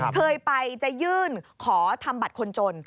เคยไปจะยื่นขอทำบัตรคนจน